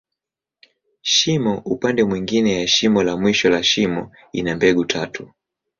Shimo upande mwingine ya mwisho la shimo la mwisho, ina mbegu tatu.